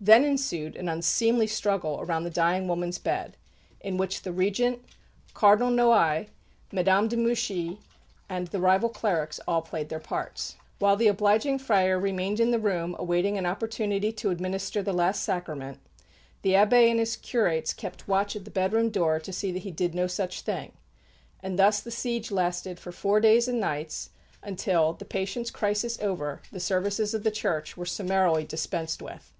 Then ensued an unseemly struggle around the dying woman's bed, in which the Regent, Cardinal Noailles, Madame de Mouchy, and the rival clerics all played their parts. While the obliging friar remained in the room awaiting an opportunity to administer the last Sacrament, the Abbé and his curates kept watch at the bedroom door to see that he did no such thing; and thus the siege lasted for four days and nights until, the patient's crisis over, the services of the Church were summarily dispensed with.